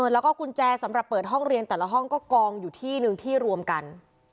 แล้วก็กุญแจสำหรับเปิดห้องเรียนแต่ละห้องก็กองอยู่ที่หนึ่งที่รวมกัน